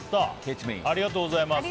ありがとうございます。